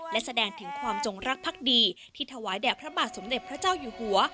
และแสดงถึงความจงรักภักดีที่ถวายแด่พระบาทสมเด็จพระเจ้าอยู่หัว